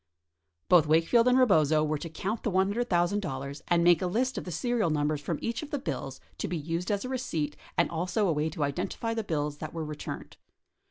Both Wakefield and Rebozo were to count the $100,000 and make a list of the serial numbers from each of the bills to be used as a receipt and also a way to identify the bills that were returned.